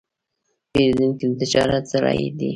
پیرودونکی د تجارت زړه دی.